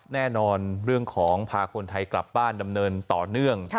แน่นอนเรื่องของพาคนไทยกลับบ้านดำเนินต่อเนื่อง